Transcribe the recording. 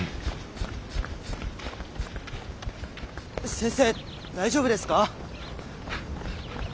先生大丈夫ですか？